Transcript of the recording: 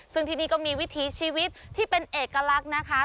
ซึ่งที่นี่ก็มีวิถีชีวิตที่เป็นเอกลักษณ์นะคะ